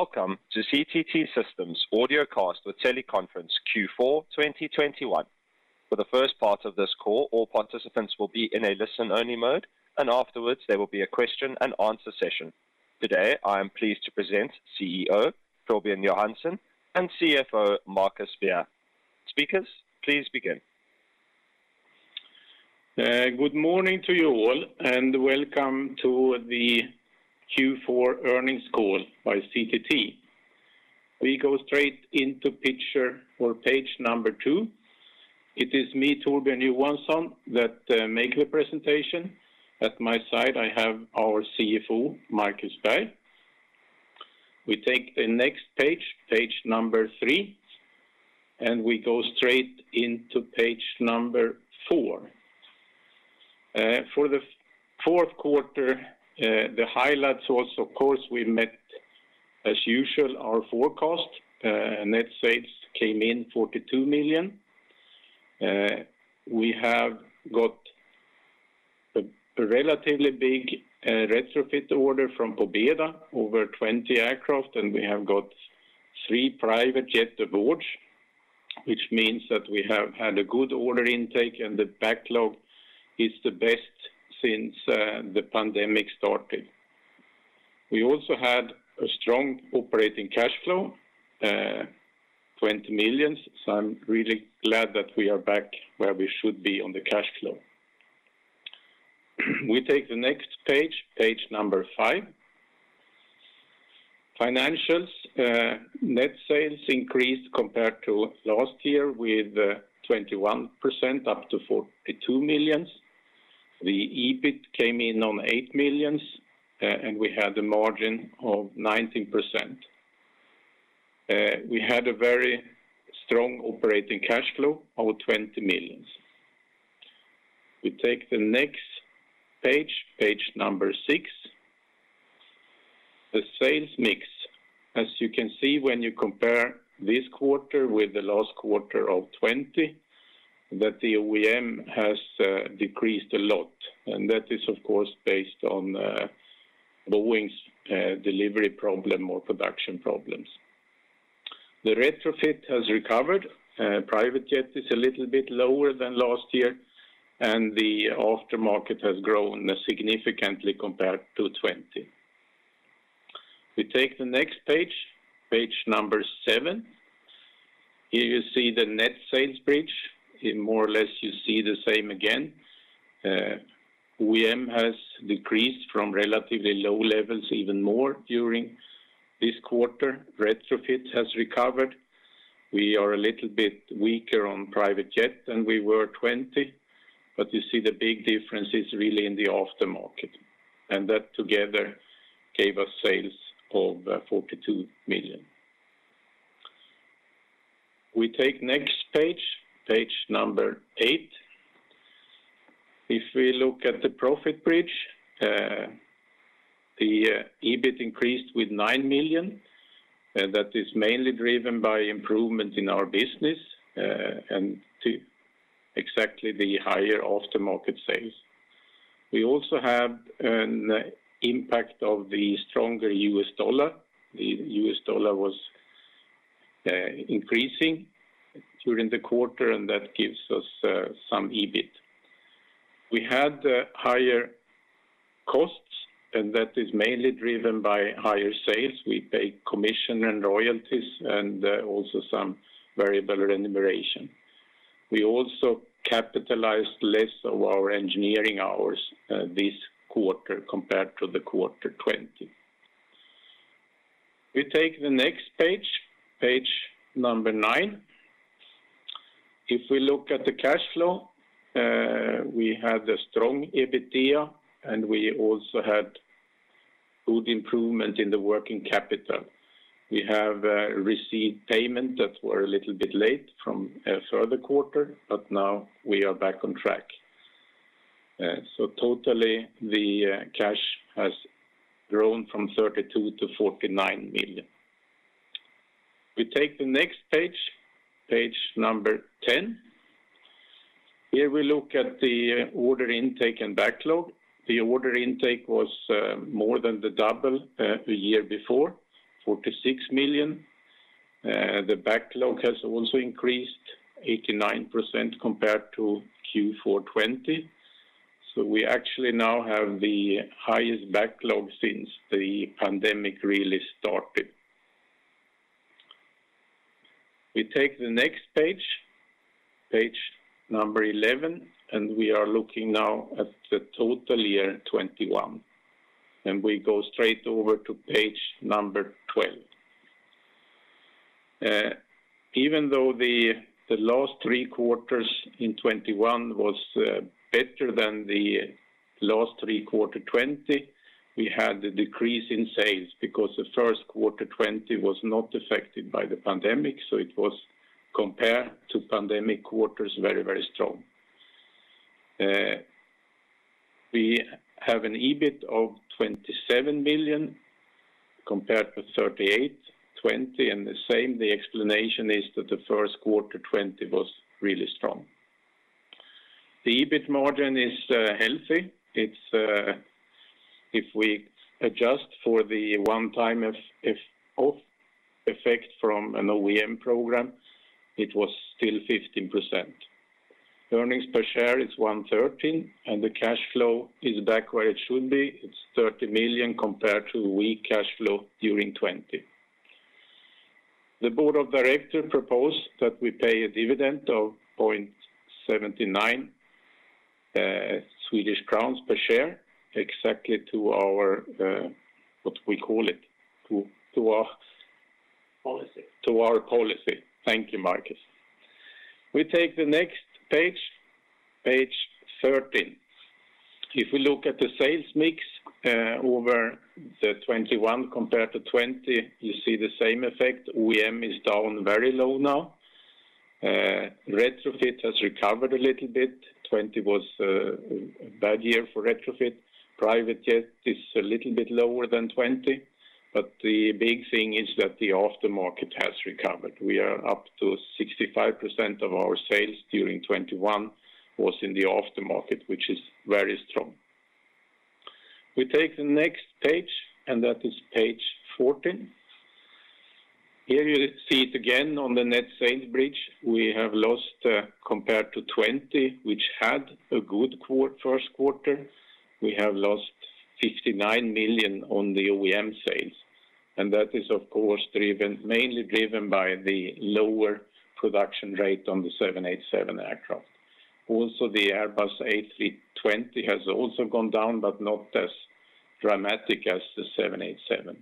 Welcome to CTT Systems audio cast with teleconference Q4 2021. For the first part of this call, all participants will be in a listen-only mode, and afterwards, there will be a question and answer session. Today, I am pleased to present CEO Torbjörn Johansson and CFO Markus Berg. Speakers, please begin. Good morning to you all, and welcome to the Q4 earnings call by CTT. We go straight into picture or page number two. It is me, Torbjörn Johansson, that make the presentation. At my side, I have our CFO, Markus Berg. We take the next page number three, and we go straight into page number four. For the fourth quarter, the highlights was, of course, we met, as usual, our forecast. Net sales came in 42 million. We have got a relatively big retrofit order from Pobeda, over 20 aircraft, and we have got three private jet awards, which means that we have had a good order intake, and the backlog is the best since the pandemic started. We also had a strong operating cash flow, 20 million. I'm really glad that we are back where we should be on the cash flow. We take the next page five. Financials, net sales increased compared to last year with 21% up to 42 million. The EBIT came in at 8 million, and we had a margin of 19%. We had a very strong operating cash flow of 20 million. We take the next page six. The sales mix, as you can see when you compare this quarter with the last quarter of 2020, that the OEM has decreased a lot, and that is, of course, based on Boeing's delivery problem or production problems. The retrofit has recovered. Private jet is a little bit lower than last year, and the aftermarket has grown significantly compared to 2020. We take the next page seven. Here you see the net sales bridge. More or less, you see the same again. OEM has decreased from relatively low levels even more during this quarter. Retrofit has recovered. We are a little bit weaker on private jet than we were 2020, but you see the big difference is really in the aftermarket. That together gave us sales of 42 million. We take next page number eight. If we look at the profit bridge, EBIT increased with 9 million. That is mainly driven by improvement in our business and due to the higher aftermarket sales. We also have an impact of the stronger US dollar. The US dollar was increasing during the quarter, and that gives us some EBIT. We had higher costs, and that is mainly driven by higher sales. We pay commission and royalties and also some variable remuneration. We also capitalized less of our engineering hours this quarter compared to the quarter 2020. We take the next page number nine. If we look at the cash flow, we had a strong EBITDA, and we also had good improvement in the working capital. We have received payments that were a little bit late from a further quarter, but now we are back on track. Total cash has grown from 32 million to 49 million. We take the next page number ten. Here we look at the order intake and backlog. The order intake was more than double the year before, 46 million. The backlog has also increased 89% compared to Q4 2020. We actually now have the highest backlog since the pandemic really started. We take the next page number eleven, and we are looking now at the total year 2021. We go straight over to page number twelve. Even though the last three quarters in 2021 was better than the last three quarters in 2020, we had a decrease in sales because the first quarter 2020 was not affected by the pandemic, so it was compared to pandemic quarters, very, very strong. We have an EBIT of 27 million compared to 38 million in 2020. The same explanation is that the first quarter 2020 was really strong. The EBIT margin is healthy. It's if we adjust for the one-time one-off effect from an OEM program, it was still 15%. Earnings per share is 1.13, and the cash flow is back where it should be. It's 30 million compared to weak cash flow during 2020. The board of directors proposed that we pay a dividend of 0.79 Swedish crowns per share, exactly to our what we call it? To our... Policy. To our policy. Thank you, Markus. We take the next page 13. If we look at the sales mix over the 2021 compared to 2020, you see the same effect. OEM is down very low now. Retrofit has recovered a little bit. 2020 was a bad year for retrofit. Private jet is a little bit lower than 2020, but the big thing is that the aftermarket has recovered. We are up to 65% of our sales during 2021 was in the aftermarket, which is very strong. We take the next page, and that is page 14. Here you see it again on the net sales bridge. We have lost compared to 2020, which had a good first quarter. We have lost 59 million on the OEM sales, and that is of course driven, mainly driven by the lower production rate on the 787 aircraft. Also, the Airbus A320 has also gone down, but not as dramatic as the 787.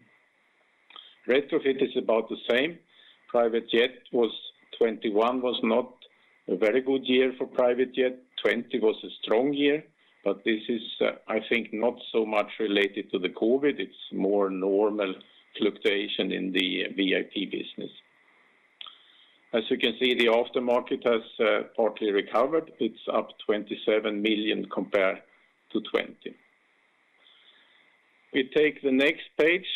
Retrofit is about the same. Private jet was, 2021 was not a very good year for private jet. 2020 was a strong year, but this is, I think not so much related to the COVID. It's more normal fluctuation in the VIP business. As you can see, the aftermarket has partly recovered. It's up 27 million compared to 2020. We take the next page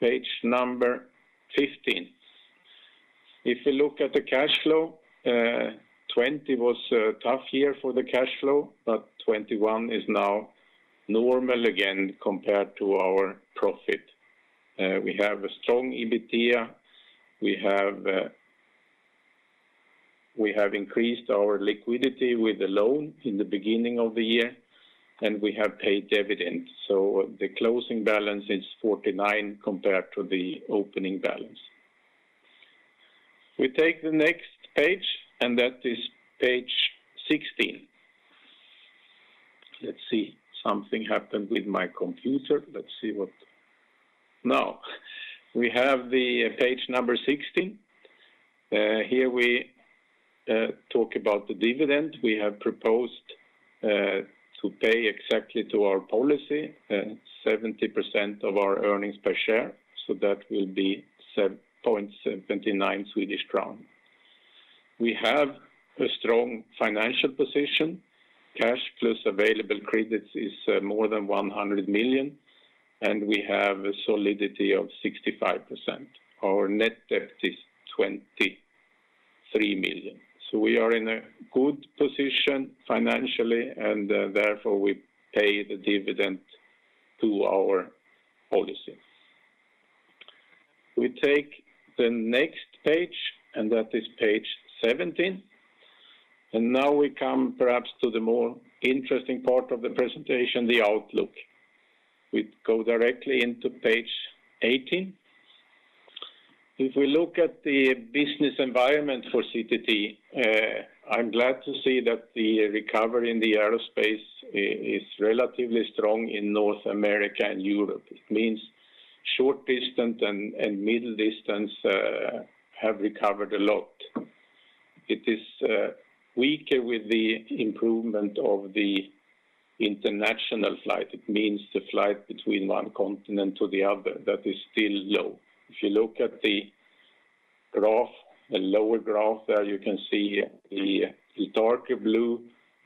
15. If you look at the cash flow, 2020 was a tough year for the cash flow, but 2021 is now normal again compared to our profit. We have a strong EBITDA. We have increased our liquidity with the loan in the beginning of the year, and we have paid dividends. The closing balance is 49 million compared to the opening balance. We take the next page, and that is page 16. Let's see. Something happened with my computer. Let's see what. Now, we have the page number 16. Here we talk about the dividend. We have proposed to pay exactly to our policy 70% of our earnings per share, so that will be 0.79 Swedish crown. We have a strong financial position. Cash plus available credits is more than 100 million, and we have a solidity of 65%. Our net debt is 23 million. We are in a good position financially, and therefore we pay the dividend to our policy. We take the next page, and that is page 17. Now we come perhaps to the more interesting part of the presentation, the outlook. We go directly into page 18. If we look at the business environment for CTT, I'm glad to see that the recovery in the aerospace is relatively strong in North America and Europe. It means short distance and middle distance have recovered a lot. It is weaker with the improvement of the international flight. It means the flight between one continent to the other. That is still low. If you look at the graph, the lower graph there, you can see, the darker blue,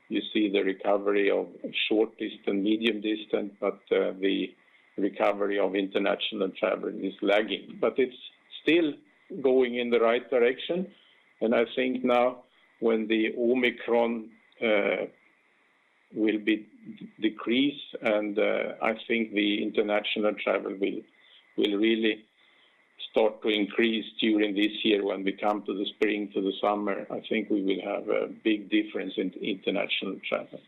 you see the recovery of short distance, medium distance, but the recovery of international travel is lagging. It's still going in the right direction, and I think now when Omicron will decrease, I think the international travel will really start to increase during this year when we come to the spring, to the summer. I think we will have a big difference in international travel.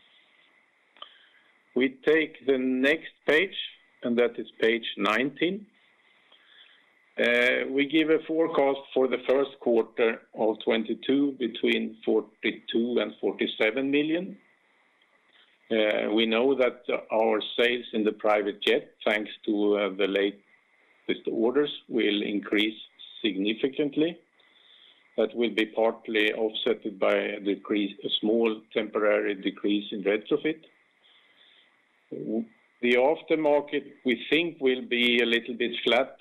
We take the next page, and that is page 19. We give a forecast for the first quarter of 2022 between 42 million and 47 million. We know that our sales in the private jet, thanks to the late orders, will increase significantly. That will be partly offset by a decrease, a small temporary decrease in retrofit. The aftermarket we think will be a little bit flat,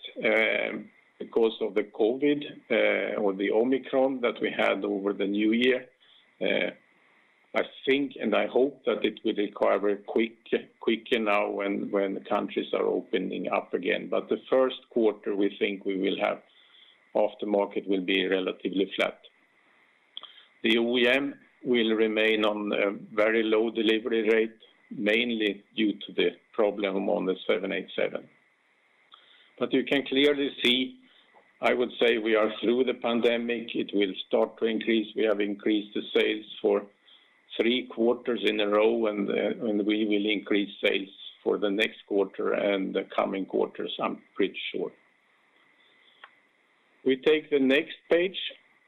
because of the COVID, or the Omicron that we had over the new year. I think and I hope that it will recover quicker now when the countries are opening up again. The first quarter, we think the aftermarket will be relatively flat. The OEM will remain on a very low delivery rate, mainly due to the problem on the 787. You can clearly see, I would say, we are through the pandemic. It will start to increase. We have increased the sales for three quarters in a row, and we will increase sales for the next quarter and the coming quarters, I'm pretty sure. We take the next page,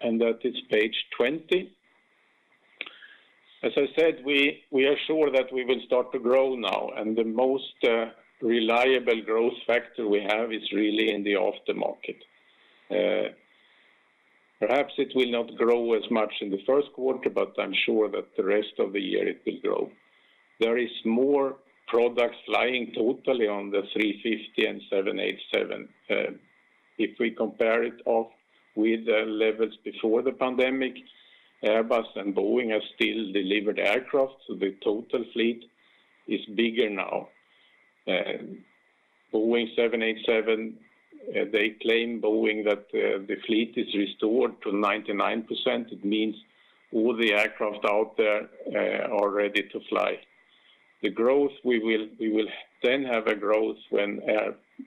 and that is page 20. As I said, we are sure that we will start to grow now. The most reliable growth factor we have is really in the aftermarket. Perhaps it will not grow as much in the first quarter, but I'm sure that the rest of the year it will grow. There is more products lying totally on the A350 and 787. If we compare it to the levels before the pandemic, Airbus and Boeing have still delivered aircraft, so the total fleet is bigger now. Boeing 787, they claim, Boeing, that the fleet is restored to 99%. It means all the aircraft out there are ready to fly. The growth we will then have when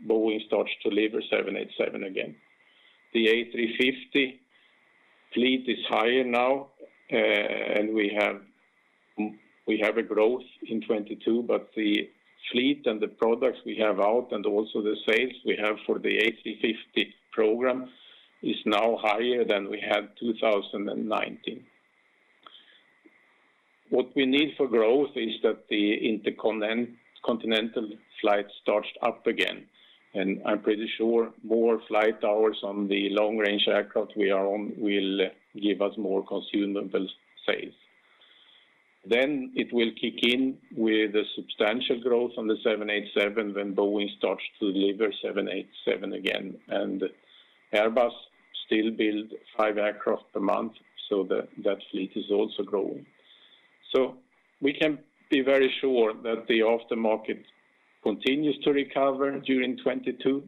Boeing starts to deliver 787 again. The A350 fleet is higher now, and we have a growth in 2022, but the fleet and the products we have out, and also the sales we have for the A350 program, is now higher than we had 2019. What we need for growth is that the intercontinental flight starts up again. I'm pretty sure more flight hours on the long range aircraft we are on will give us more consumable sales. It will kick in with a substantial growth on the 787 when Boeing starts to deliver 787 again. Airbus still build five aircraft a month, so that fleet is also growing. We can be very sure that the aftermarket continues to recover during 2022.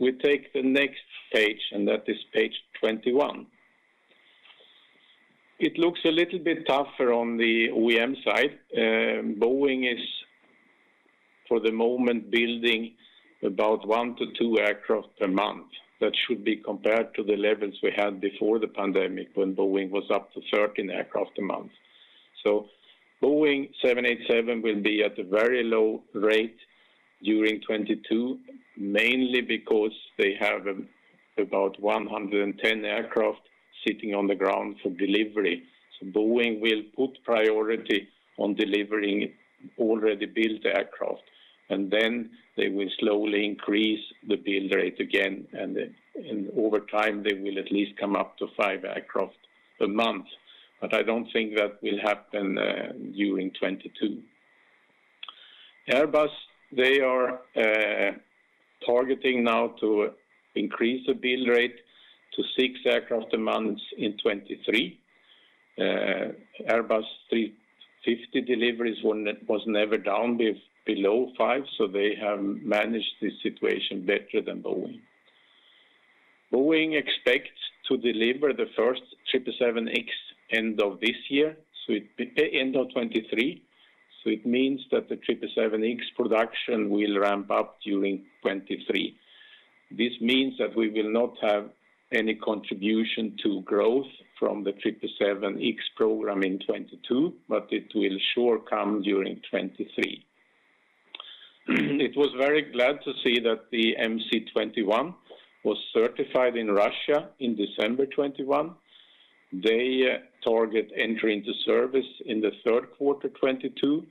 We take the next page, and that is page 21. It looks a little bit tougher on the OEM side. Boeing is, for the moment, building about one to two aircraft a month. That should be compared to the levels we had before the pandemic when Boeing was up to 13 aircraft a month. Boeing 787 will be at a very low rate during 2022, mainly because they have about 110 aircraft sitting on the ground for delivery. Boeing will put priority on delivering already built aircraft. Then they will slowly increase the build rate again, and over time, they will at least come up to five aircraft a month. I don't think that will happen during 2022. Airbus, they are targeting now to increase the build rate to six aircraft a month in 2023. Airbus A350 deliveries when it was never down below five, so they have managed the situation better than Boeing. Boeing expects to deliver the first 777X end of this year, so it end of 2023, so it means that the 777X production will ramp up during 2023. This means that we will not have any contribution to growth from the 777X program in 2022, but it will surely come during 2023. We were very glad to see that the MC-21 was certified in Russia in December 2021. They target entry into service in the third quarter 2022,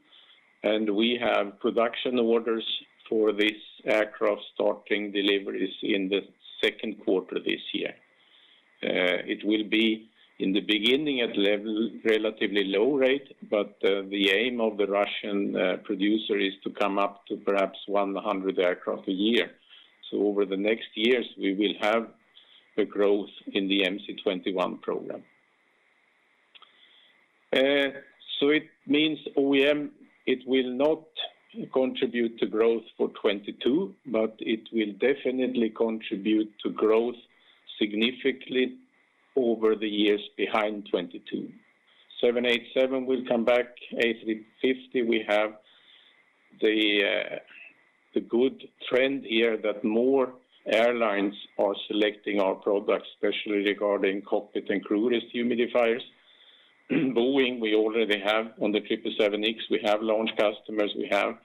and we have production orders for this aircraft starting deliveries in the second quarter this year. It will be, in the beginning, at a relatively low rate, but the aim of the Russian producer is to come up to perhaps 100 aircraft a year. Over the next years, we will have the growth in the MC-21 program. It means OEM, it will not contribute to growth for 2022, but it will definitely contribute to growth significantly over the years behind 2022. 787 will come back. A350, we have the good trend here that more airlines are selecting our products, especially regarding cockpit and crew rest humidifiers. Boeing, we already have, on the 777X, we have launch customers, we have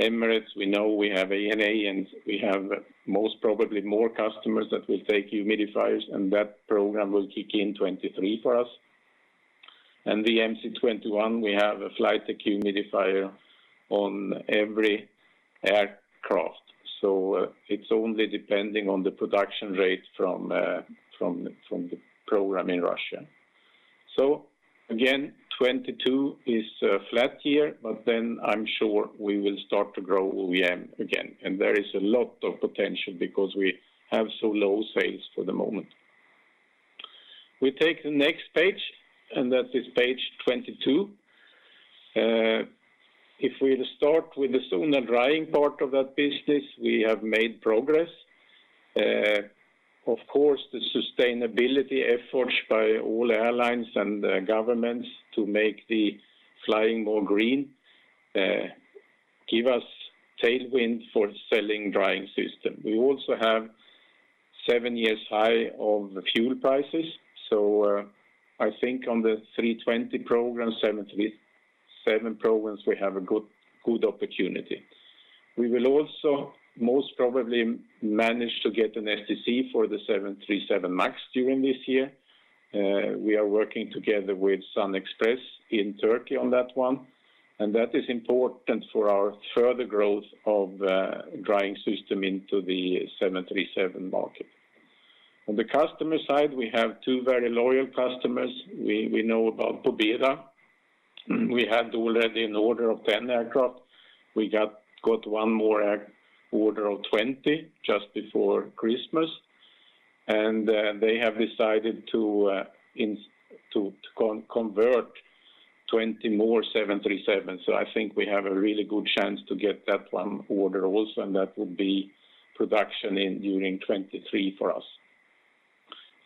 Emirates, we know we have ANA, and we have most probably more customers that will take humidifiers, and that program will kick in 2023 for us. The MC-21, we have a flight deck humidifier on every aircraft. It's only depending on the production rate from the program in Russia. Again, 2022 is a flat year, but then I'm sure we will start to grow OEM again. There is a lot of potential because we have so low sales for the moment. We take the next page, and that is page 22. If we start with the Zonal Drying part of that business, we have made progress. Of course, the sustainability efforts by all airlines and governments to make the flying more green give us tailwind for selling drying system. We also have seven-year high of fuel prices. I think on the A320 program, 777 programs, we have a good opportunity. We will also most probably manage to get an STC for the 737 MAX during this year. We are working together with SunExpress in Turkey on that one, and that is important for our further growth of drying system into the 737 market. On the customer side, we have two very loyal customers. We know about Pobeda. We had already an order of 10 aircraft. We got one more order of 20 just before Christmas, and they have decided to convert 20 more 737s. I think we have a really good chance to get that one order also, and that will be production during 2023 for us.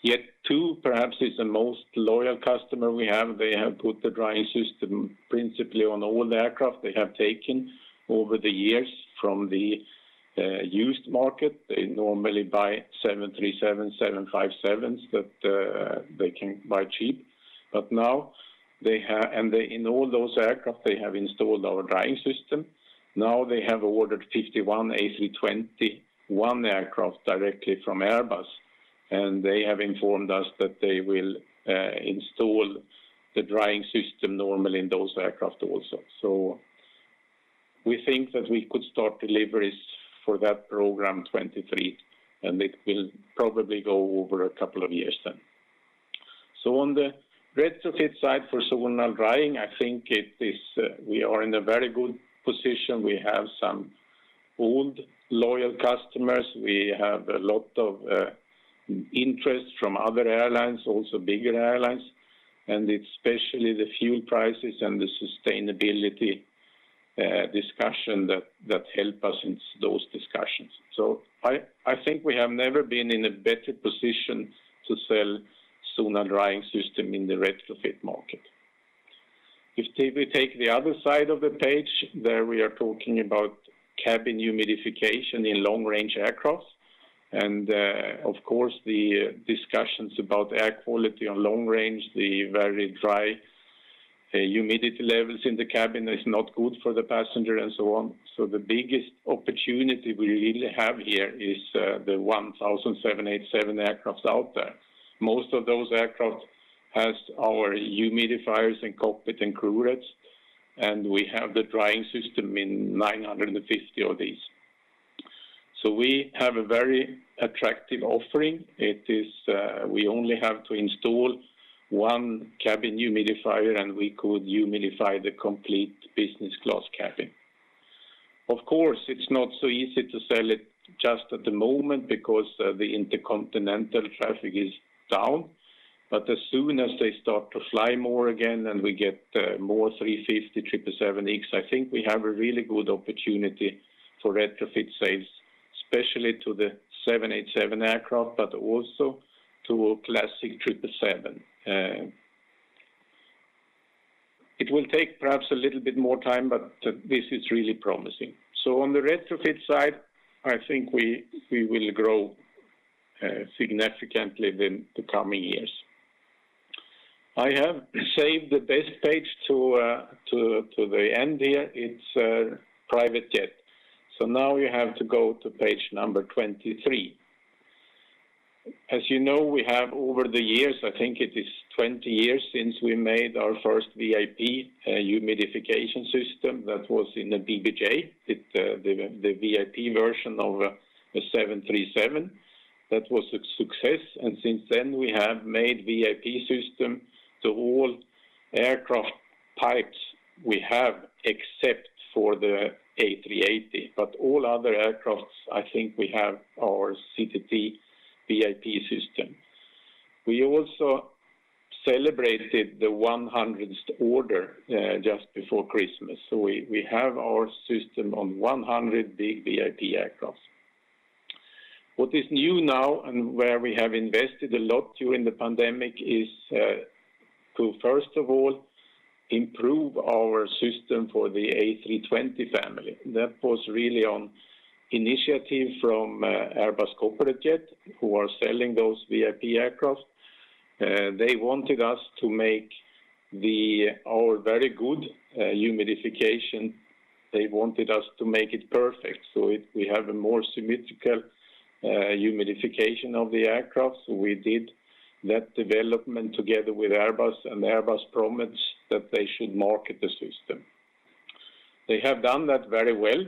Jet2 perhaps is the most loyal customer we have. They have put the drying system principally on all the aircraft they have taken over the years from the used market. They normally buy 737s, 757s that they can buy cheap. In all those aircraft, they have installed our drying system. Now they have ordered 51 A321 aircraft directly from Airbus, and they have informed us that they will install the drying system normally in those aircraft also. We think that we could start deliveries for that program 2023, and it will probably go over a couple of years then. On the retrofit side for Zonal Drying, I think we are in a very good position. We have some old loyal customers. We have a lot of interest from other airlines, also bigger airlines, and especially the fuel prices and the sustainability discussion that help us in those discussions. I think we have never been in a better position to sell Zonal Drying system in the retrofit market. If we take the other side of the page, there we are talking about cabin humidification in long-range aircraft. Of course, the discussions about air quality on long-range, the very dry humidity levels in the cabin is not good for the passenger and so on. The biggest opportunity we really have here is the 787 aircraft out there. Most of those aircraft has our humidifiers in cockpit and crew rest, and we have the drying system in 950 of these. We have a very attractive offering. It is we only have to install one cabin humidifier, and we could humidify the complete business class cabin. Of course, it's not so easy to sell it just at the moment because the intercontinental traffic is down. As soon as they start to fly more again, and we get more 350, 777X, I think we have a really good opportunity for retrofit sales, especially to the 787 aircraft, but also to classic 777. It will take perhaps a little bit more time, but this is really promising. On the retrofit side, I think we will grow significantly in the coming years. I have saved the best page to the end here. It's private jet. Now you have to go to page number 23. As you know, we have over the years, I think it is 20 years since we made our first VIP humidification system. That was in the BBJ, the VIP version of the 737. That was a success. Since then, we have made VIP system to all aircraft types we have, except for the A380. All other aircraft, I think we have our CTT VIP system. We also celebrated the 100th order just before Christmas. We have our system on 100 big VIP aircraft. What is new now and where we have invested a lot during the pandemic is to, first of all, improve our system for the A320 family. That was really on initiative from Airbus Corporate Jets, who are selling those VIP aircraft. They wanted us to make our very good humidification. They wanted us to make it perfect. We have a more symmetrical humidification of the aircraft. We did that development together with Airbus, and Airbus promised that they should market the system. They have done that very well.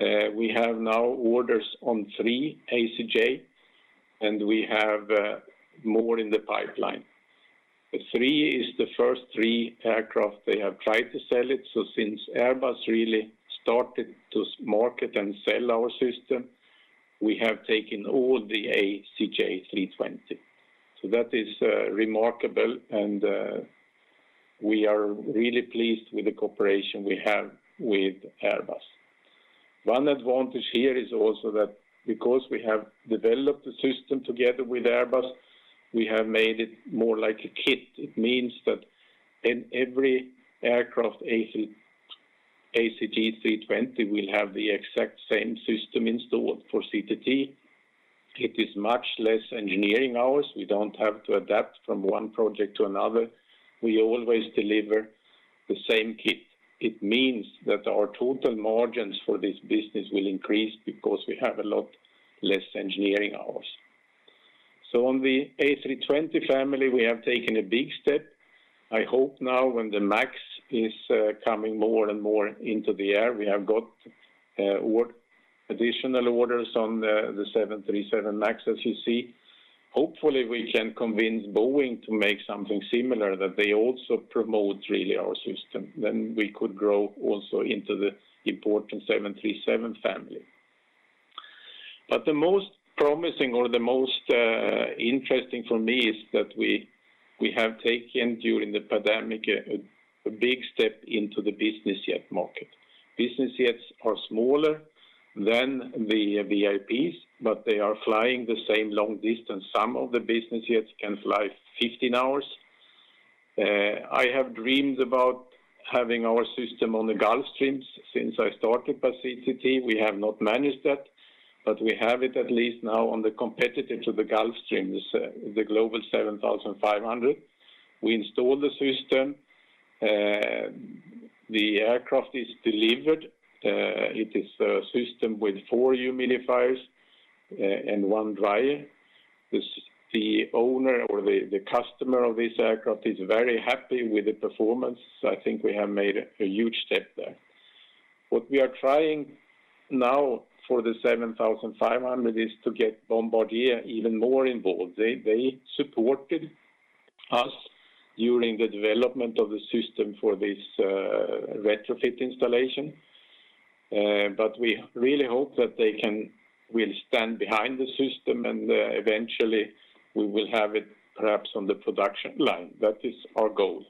We have now orders on three ACJ, and we have more in the pipeline. The three is the first three aircraft they have tried to sell it. Since Airbus really started to market and sell our system. We have taken all the ACJ320. That is remarkable and we are really pleased with the cooperation we have with Airbus. One advantage here is also that because we have developed a system together with Airbus, we have made it more like a kit. It means that in every aircraft ACJ320 will have the exact same system installed for CTT. It is much less engineering hours. We don't have to adapt from one project to another. We always deliver the same kit. It means that our total margins for this business will increase because we have a lot less engineering hours. On the A320 family, we have taken a big step. I hope now when the MAX is coming more and more into the air, we have got our additional orders on the 737 MAX as you see. Hopefully, we can convince Boeing to make something similar that they also promote really our system. We could grow also into the important 737 family. The most promising or the most interesting for me is that we have taken during the pandemic a big step into the business jet market. Business jets are smaller than the VIPs, but they are flying the same long distance. Some of the business jets can fly 15 hours. I have dreamed about having our system on the Gulfstream since I started at CTT. We have not managed that, but we have it at least now on the competitor to the Gulfstream, the Global 7500. We installed the system. The aircraft is delivered. It is a system with four humidifiers and one dryer. The owner or the customer of this aircraft is very happy with the performance. I think we have made a huge step there. What we are trying now for the 7500 is to get Bombardier even more involved. They supported us during the development of the system for this retrofit installation. But we really hope that they will stand behind the system, and eventually we will have it perhaps on the production line. That is our goal.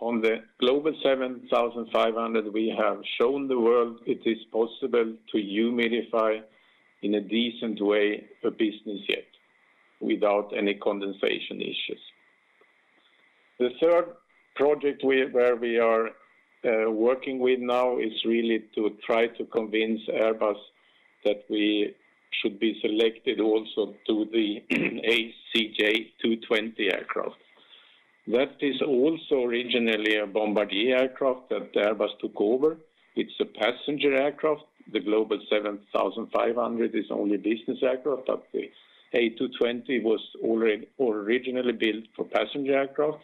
On the Global 7500, we have shown the world it is possible to humidify in a decent way for business jet without any condensation issues. The third project where we are working with now is really to try to convince Airbus that we should be selected also to the ACJ220 aircraft. That is also originally a Bombardier aircraft that Airbus took over. It's a passenger aircraft. The Global 7500 is only business aircraft, but the A220 was already originally built for passenger aircraft.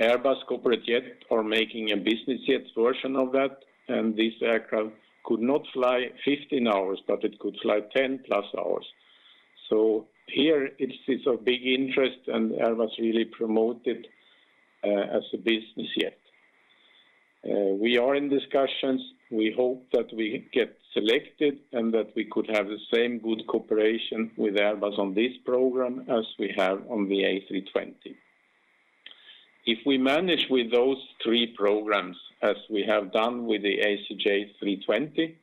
Airbus Corporate Jets are making a business jet version of that, and this aircraft could not fly 15 hours, but it could fly 10+ hours. Here it is of big interest, and Airbus really promote it as a business jet. We are in discussions. We hope that we get selected and that we could have the same good cooperation with Airbus on this program as we have on the A320. If we manage with those three programs as we have done with the ACJ320,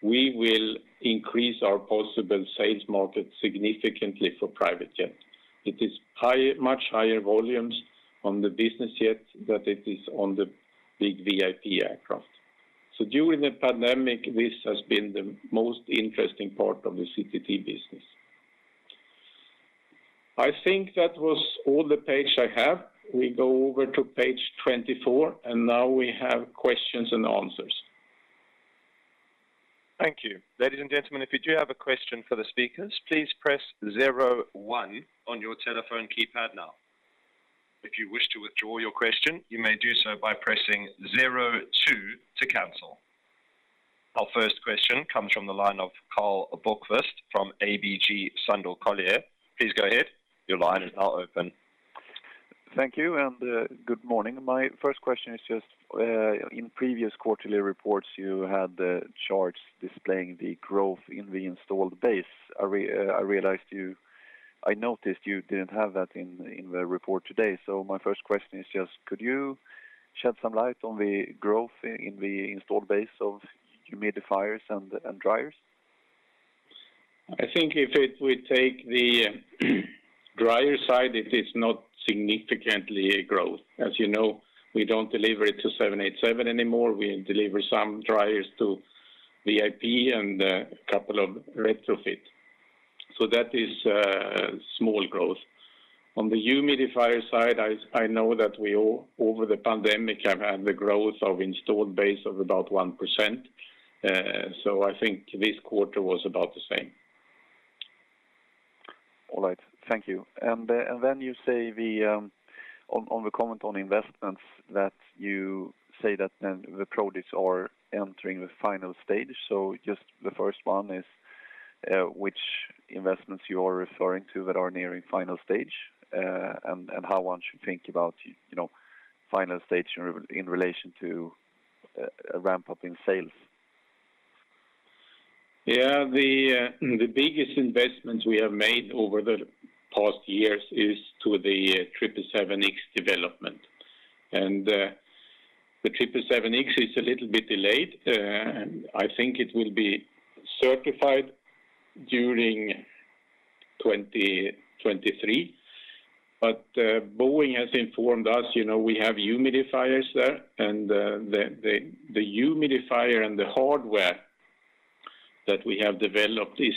we will increase our possible sales market significantly for private jet. It is much higher volumes on the business jet than it is on the big VIP aircraft. During the pandemic, this has been the most interesting part of the CTT business. I think that was all the page I have. We go over to page 24, and now we have questions-andanswers. Thank you. Ladies and gentlemen, if you do have a question for the speakers, please press zero one on your telephone keypad now. If you wish to withdraw your question, you may do so by pressing zero two to cancel. Our first question comes from the line of Karl Bokvist from ABG Sundal Collier. Please go ahead. Your line is now open. Thank you and good morning. My first question is just in previous quarterly reports, you had the charts displaying the growth in the installed base. I noticed you didn't have that in the report today. My first question is just could you shed some light on the growth in the installed base of humidifiers and dryers? I think we take the dryer side, it is not significant growth. As you know, we don't deliver it to 787 anymore. We deliver some dryers to VIP and a couple of retrofit. That is small growth. On the humidifier side, I know that we all, over the pandemic, have had the growth of installed base of about 1%. I think this quarter was about the same. All right. Thank you. Then you say that on the comment on investments that the projects are entering the final stage. Which investments you are referring to that are nearing final stage, and how one should think about, you know, final stage in relation to a ramp-up in sales? Yeah, the biggest investments we have made over the past years is to the 777X development. The 777X is a little bit delayed. I think it will be certified during 2023. Boeing has informed us, you know, we have humidifiers there, and the humidifier and the hardware that we have developed is,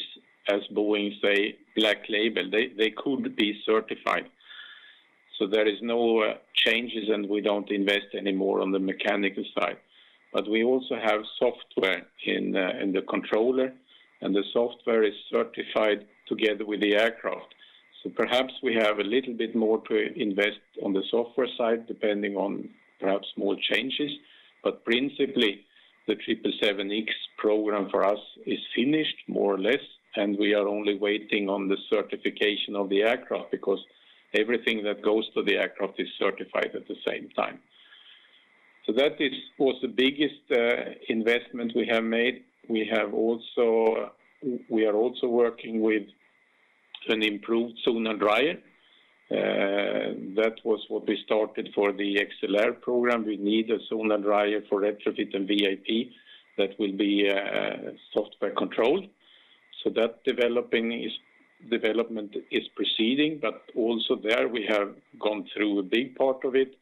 as Boeing say, black label. They could be certified. There is no changes, and we don't invest any more on the mechanical side. We also have software in the controller, and the software is certified together with the aircraft. Perhaps we have a little bit more to invest on the software side, depending on perhaps more changes. Principally, the 777X program for us is finished more or less, and we are only waiting on the certification of the aircraft, because everything that goes to the aircraft is certified at the same time. That was the biggest investment we have made. We are also working with an improved Zonal Drying. That was what we started for the A321XLR program. We need a Zonal Drying for retrofit and VIP that will be software controlled. Development is proceeding, but also there we have gone through a big part of it,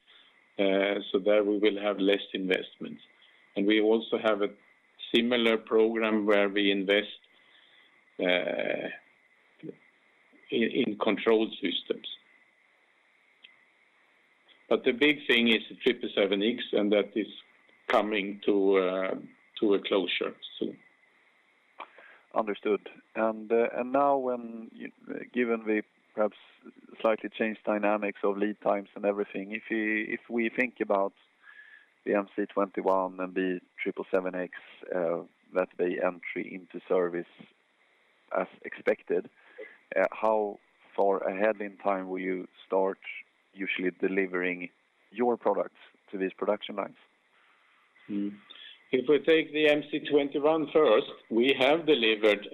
so there we will have less investments. We also have a similar program where we invest in control systems. The big thing is the 777X, and that is coming to a closure soon. Understood. Now, given the perhaps slightly changed dynamics of lead times and everything, if we think about the MC-21 and the 777X that their entry into service as expected, how far ahead in time will you start usually delivering your products to these production lines? If we take the MC-21 first, we have delivered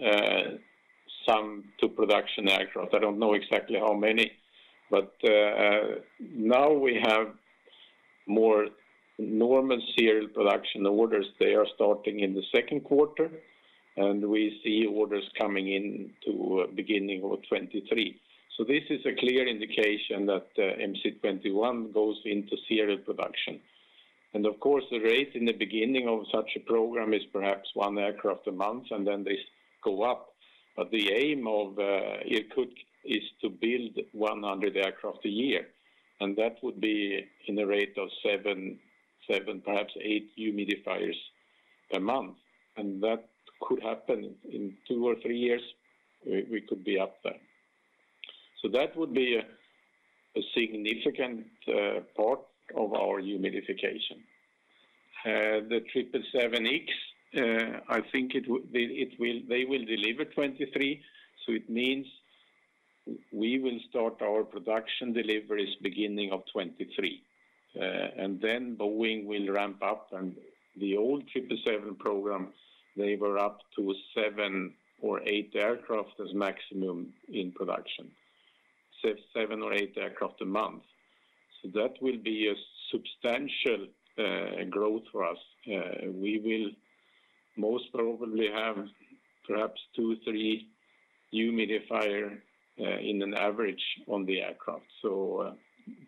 some to production aircraft. I don't know exactly how many. Now we have more normal serial production orders. They are starting in the second quarter, and we see orders coming in to beginning of 2023. This is a clear indication that MC-21 goes into serial production. Of course, the rate in the beginning of such a program is perhaps one aircraft a month, and then they go up. The aim of Irkut is to build 100 aircraft a year, and that would be in the rate of seven, perhaps eight humidifiers a month. That could happen in two or three years, we could be up there. That would be a significant part of our humidification. The 777X, I think they will deliver 2023, so it means we will start our production deliveries beginning of 2023. Boeing will ramp up, and the old 777 program, they were up to seven or eight aircraft a maximum in production. Seven or eight aircraft a month. That will be a substantial growth for us. We will most probably have perhaps two, three humidifiers on average on the aircraft.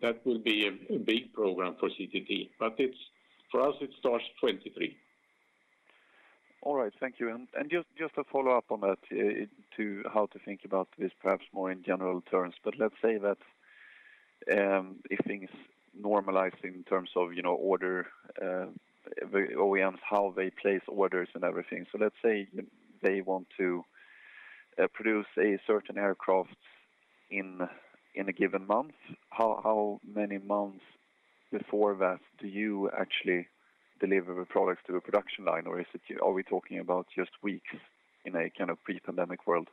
That will be a big program for CTT. It's for us, it starts 2023. All right. Thank you. To follow up on that, to how to think about this perhaps more in general terms. Let's say that, if things normalize in terms of, you know, orders, OEMs, how they place orders and everything. Let's say they want to produce a certain aircraft in a given month, how many months before that do you actually deliver the products to a production line? Or is it, are we talking about just weeks in a kind of pre-pandemic world?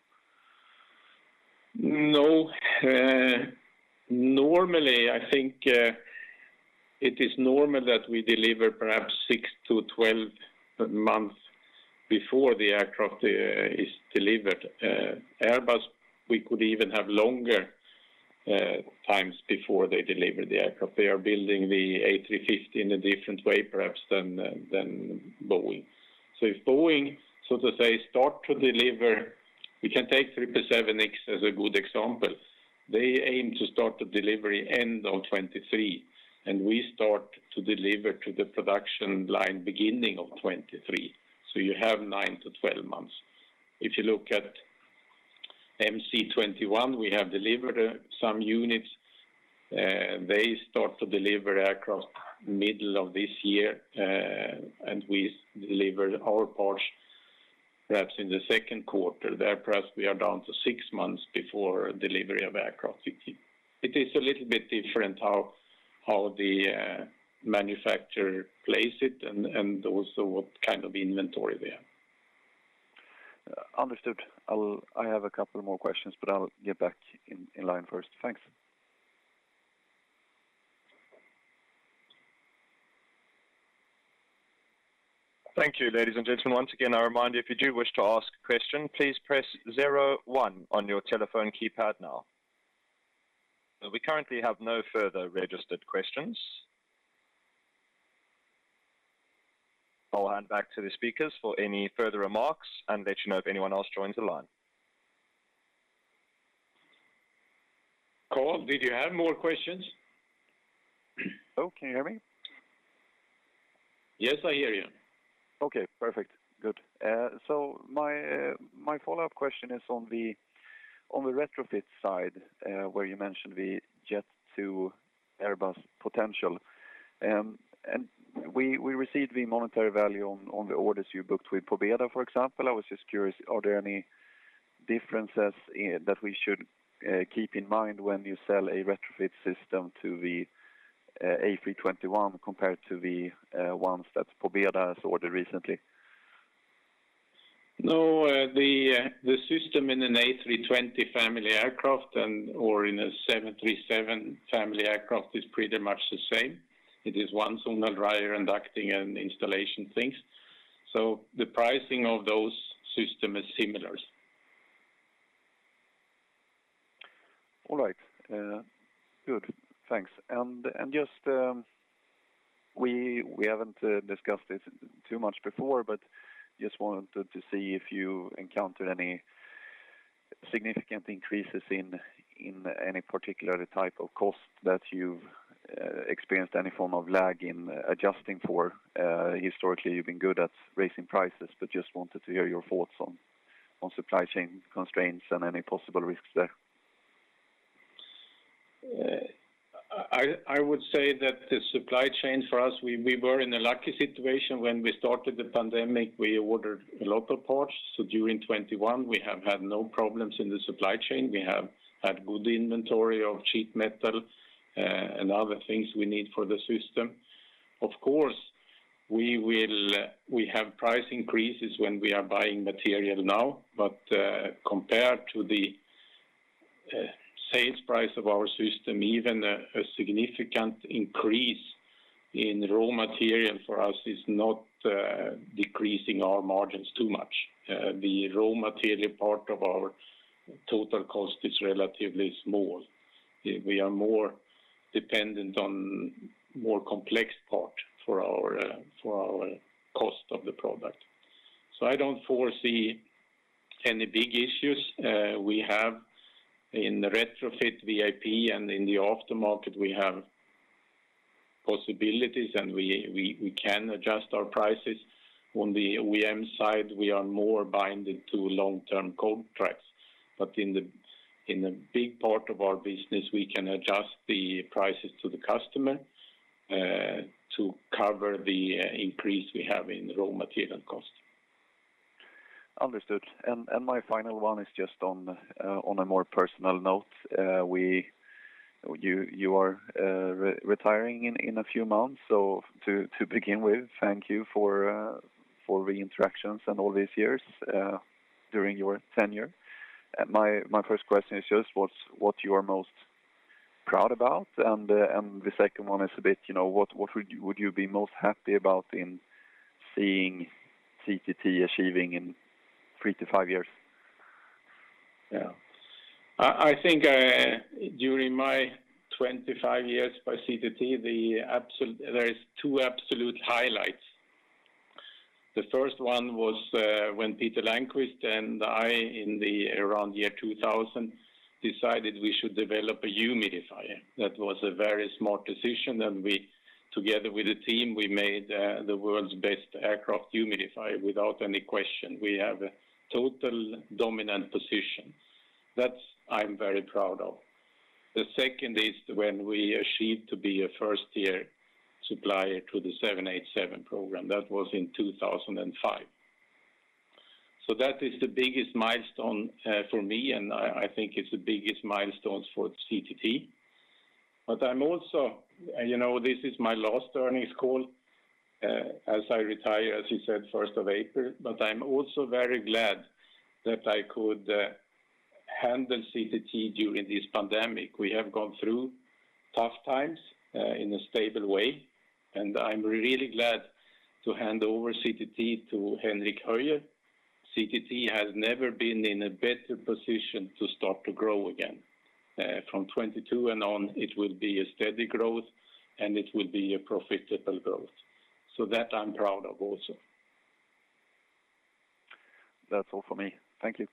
No. Normally, I think, it is normal that we deliver perhaps 6-12 months before the aircraft is delivered. Airbus, we could even have longer times before they deliver the aircraft. They are building the A350 in a different way perhaps than than Boeing. If Boeing, so to say, start to deliver, we can take 777X as a good example. They aim to start the delivery end of 2023, and we start to deliver to the production line beginning of 2023. You have 9-12 months. If you look at MC-21, we have delivered some units. They start to deliver aircraft middle of this year, and we deliver our parts perhaps in the second quarter. There, perhaps we are down to six months before delivery of aircraft. It is a little bit different how the manufacturer place it and also what kind of inventory they have. Understood. I have a couple more questions, but I'll get back in line first. Thanks. Thank you. Ladies and gentlemen, once again, I remind you, if you do wish to ask a question, please press zero one on your telephone keypad now. We currently have no further registered questions. I'll hand back to the speakers for any further remarks and let you know if anyone else joins the line. Karl, did you have more questions? Oh, can you hear me? Yes, I hear you. Okay, perfect. Good. My follow-up question is on the retrofit side, where you mentioned the Jet2 Airbus potential. We received the monetary value on the orders you booked with Pobeda, for example. I was just curious, are there any differences that we should keep in mind when you sell a retrofit system to the A321 compared to the ones that Pobeda has ordered recently? No. The system in an A320 family aircraft and/or in a 737 family aircraft is pretty much the same. It is one Zonal Drying and ducting and installation things. The pricing of those systems is similar. All right. Good. Thanks. And just we haven't discussed this too much before, but just wanted to see if you encountered any significant increases in any particular type of cost that you've experienced any form of lag in adjusting for? Historically, you've been good at raising prices, but just wanted to hear your thoughts on supply chain constraints and any possible risks there? I would say that the supply chain for us, we were in a lucky situation. When we started the pandemic, we ordered local parts. During 2021, we have had no problems in the supply chain. We have had good inventory of sheet metal, and other things we need for the system. Of course, we have price increases when we are buying material now. But compared to the sales price of our system, even a significant increase in raw material for us is not decreasing our margins too much. The raw material part of our total cost is relatively small. We are more dependent on more complex part for our cost of the product. I don't foresee any big issues. We have in retrofit VIP and in the aftermarket, we have possibilities, and we can adjust our prices. On the OEM side, we are more bound to long-term contracts. In the big part of our business, we can adjust the prices to the customer to cover the increase we have in raw material cost. Understood. My final one is just on a more personal note. You are retiring in a few months. To begin with, thank you for the interactions and all these years during your tenure. My first question is just what you are most proud about? The second one is a bit, you know, what would you be most happy about in seeing CTT achieving in three to five years? I think during my 25 years at CTT, there is two absolute highlights. The first one was when Peter Landquist and I, around year 2000, decided we should develop a humidifier. That was a very smart decision, and we, together with the team, made the world's best aircraft humidifier without any question. We have a totally dominant position. That I'm very proud of. The second is when we achieved to be a first-tier supplier to the 787 program. That was in 2005. That is the biggest milestone for me, and I think it's the biggest milestones for CTT. You know, this is my last earnings call as I retire, as you said, 1st of April. I'm also very glad that I could handle CTT during this pandemic. We have gone through tough times in a stable way, and I'm really glad to hand over CTT to Henrik Höjer. CTT has never been in a better position to start to grow again. From 2022 and on, it will be a steady growth, and it will be a profitable growth. That I'm proud of also. That's all for me. Thank you.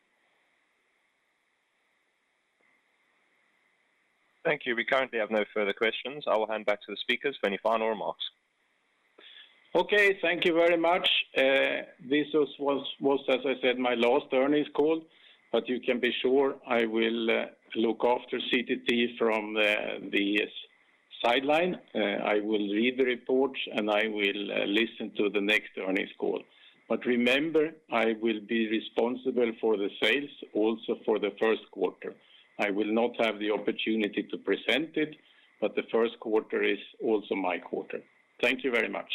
Thank you. We currently have no further questions. I will hand back to the speakers for any final remarks. Okay, thank you very much. This was, as I said, my last earnings call, but you can be sure I will look after CTT from the sidelines. I will read the report, and I will listen to the next earnings call. Remember, I will be responsible for the sales also for the first quarter. I will not have the opportunity to present it, but the first quarter is also my quarter. Thank you very much.